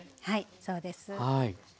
はいそうです。